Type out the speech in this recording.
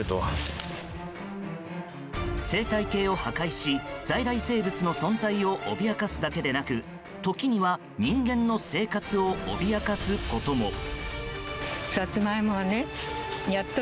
生態系を破壊し在来生物の生存を脅かすだけでなく時には人間の生活を脅かすことも。